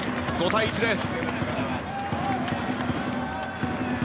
５対１です。